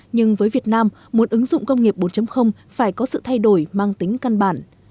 nhưng với việt nam một ứng dụng công nghiệp bốn phải có sự thay đổi mang tính căn bản